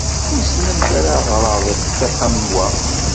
Wissen amek ara ɣreɣ di ṭṭiq am wa!